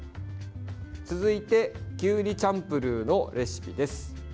続いて、きゅうりチャンプルーのレシピです。